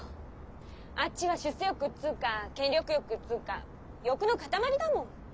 あっちは出世欲っつうか権力欲っつうか欲の塊だもん。